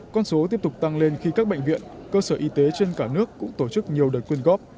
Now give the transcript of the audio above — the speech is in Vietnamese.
con số tiếp tục tăng lên khi các bệnh viện cơ sở y tế trên cả nước cũng tổ chức nhiều đợt quyên góp